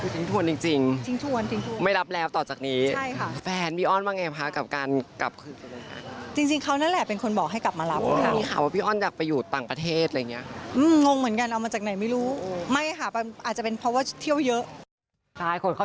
ทิ้งทวนจริงไม่รับแล้วต่อจากนี้ใช่ค่ะ